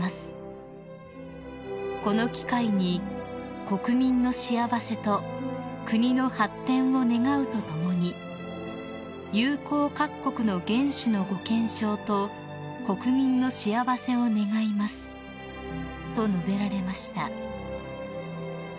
「この機会に国民の幸せと国の発展を願うとともに友好各国の元首のご健勝と国民の幸せを願います」と述べられました］